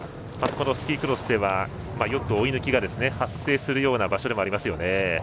スキークロスではよく追い抜きが発生するような場所ですね。